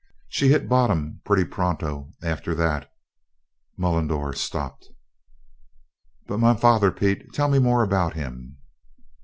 She hit bottom pretty pronto after that." Mullendore stopped. "But my father, Pete; tell me more about him!"